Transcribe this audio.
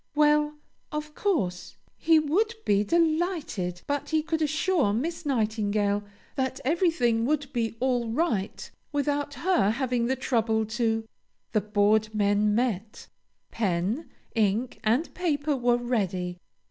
Well of course he would be delighted, but he could assure Miss Nightingale that everything would be all right, without her having the trouble to The board met; pen, ink and paper were ready.